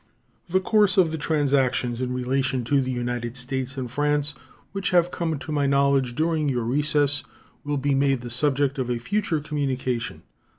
The course of the transactions in relation to the United States and France which have come to my knowledge during your recess will be made the subject of a future communication.